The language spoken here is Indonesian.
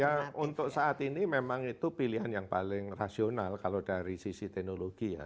ya untuk saat ini memang itu pilihan yang paling rasional kalau dari sisi teknologi ya